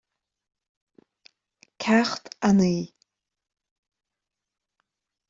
Ceacht a naoi